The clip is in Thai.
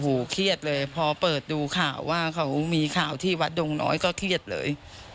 โอ้โหเครียดเลยพอเปิดดูข่าวว่าเขามีข่าวที่วัดดงน้อยก็เครียดเลย